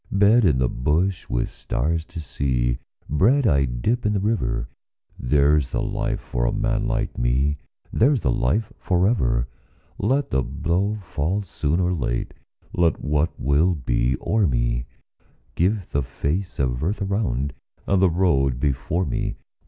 Bed in the bush with stars to see, Bread I dip in the river There's the life for a man like me, There's the life for ever. Let the blow fall soon or late, Let what will be o'er me; Give the face of earth around And the road before me.